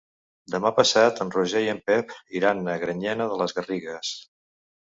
Demà passat en Roger i en Pep iran a Granyena de les Garrigues.